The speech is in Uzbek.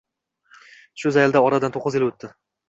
Shu zaylda oradan to`qqiz yil o`tdi